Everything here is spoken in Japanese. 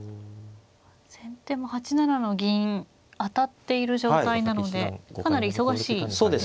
先手も８七の銀当たっている状態なのでかなり忙しいですね。